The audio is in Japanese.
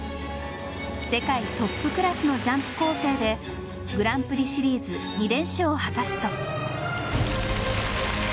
世界トップクラスのジャンプ構成でグランプリシリーズ２連勝を果たすと。